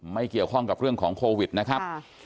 ไม่เกี่ยวข้องกับเรื่องของโควิดนะครับ